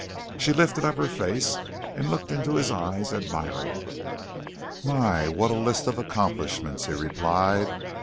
She lifted up her face and looked into his eyes admiringly. "My, what a list of accomplishments!" he replied.